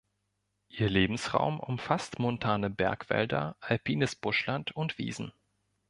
Ihr Lebensraum umfasst montane Bergwälder, alpines Buschland und Wiesen.